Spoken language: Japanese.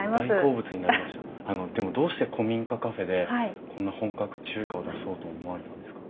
あのでもどうして古民家カフェでこんな本格中華を出そうと思われたんですか？